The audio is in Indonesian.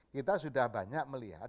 kita sudah banyak melihat